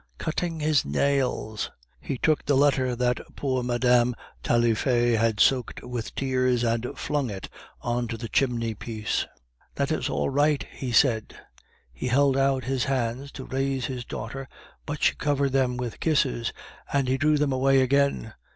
Cutting his nails! He took the letter that poor Mme. Taillefer had soaked with tears, and flung it on to the chimney piece. 'That is all right,' he said. He held out his hands to raise his daughter, but she covered them with kisses, and he drew them away again.